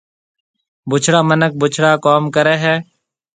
بُڇڙا مِنک بُڇڙا ڪوم ڪريَ هيَ۔